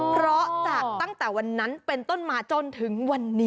เพราะจากตั้งแต่วันนั้นเป็นต้นมาจนถึงวันนี้